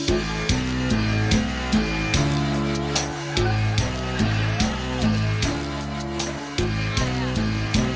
โอ้ยโอ้ยอินโทรนึกให้ดี